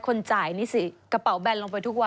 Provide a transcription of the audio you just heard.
คนจ่ายนี่สิกระเป๋าแบนลงไปทุกวัน